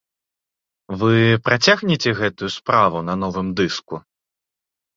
Вы працягнеце гэтую справу на новым дыску?